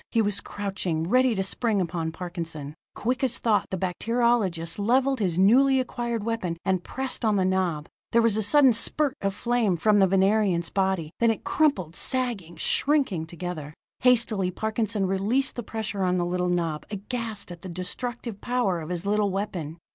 He was crouching, ready to spring upon Parkinson. Quick as thought, the bacteriologist leveled his newly acquired weapon, and pressed on the knob. There was a sudden spurt of flame from the Venerian's body; then it crumpled, sagging, shrinking together. Hastily Parkinson released the pressure on the little knob, aghast at the destructive power of his little weapon.